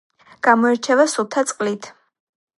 გამოირჩევა სუფთა წყლით.